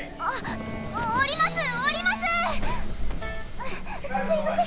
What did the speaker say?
うっすいません。